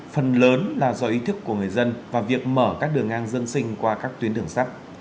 phần lớn là do ý thức của người dân và việc mở các đường ngang dân sinh qua các tuyến đường sắt